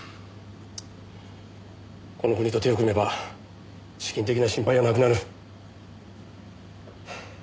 この国と手を組めば資金的な心配はなくなる。